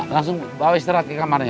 langsung bawa istirahat ke kamarnya